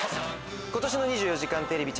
今年の『２４時間テレビ』